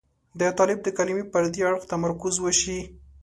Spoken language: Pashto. د طالب د کلمې پر دې اړخ تمرکز وشي.